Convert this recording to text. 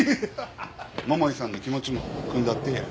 桃井さんの気持ちもくんだってえや。